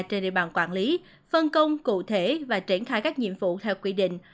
trên địa bàn quản lý phân công cụ thể và triển khai các nhiệm vụ theo quy định